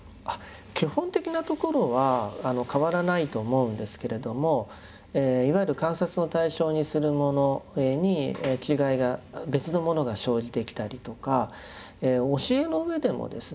基本的なところは変わらないと思うんですけれどもいわゆる観察の対象にするものに違いが別のものが生じてきたりとか教えの上でもですね